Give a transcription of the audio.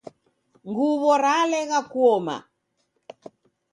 Nguw'o ralegha kuoma